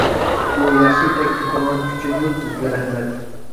بۇ ياخشى تەكلىپىڭىز ئۈچۈنمۇ سىزگە رەھمەت!